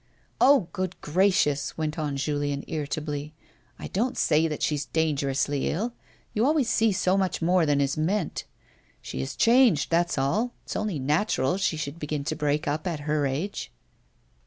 "Oh, good gracious!" went on Julien irritably. "I don't say that she is dangerously ill, You always see so much more than is meant. She is changed, that's all ; it's only natural she should begin to break up at her age."